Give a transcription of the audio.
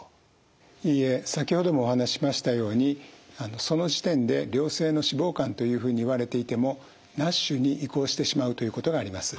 いいえ先ほどもお話ししましたようにその時点で良性の脂肪肝というふうに言われていてもＮＡＳＨに移行してしまうということがあります。